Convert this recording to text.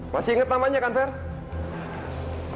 masih inget namanya kan ferry